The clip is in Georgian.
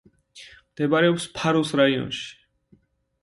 მდებარეობს ფარუს რაიონში.